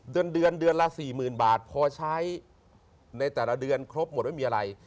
เดือนเดือนละ๔๐๐๐บาทพอใช้ในแต่ละเดือนครบหมดไม่มีอะไร